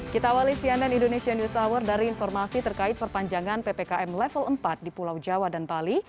kita awali cnn indonesia news hour dari informasi terkait perpanjangan ppkm level empat di pulau jawa dan bali